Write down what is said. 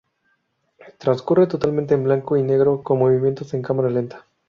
Transcurre totalmente en blanco y negro con movimientos en cámara lenta.